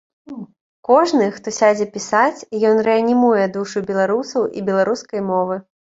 Кожны, хто сядзе пісаць, ён рэанімуе душу беларусаў і беларускай мовы.